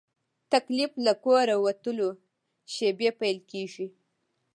تکلیف له کوره وتلو شېبې پیل کېږي.